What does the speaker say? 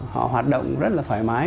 họ hoạt động rất là thoải mái